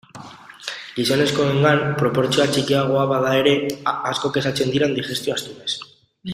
Gizonezkoengan proportzioa txikiagoa bada ere, asko kexatzen dira digestio astunez.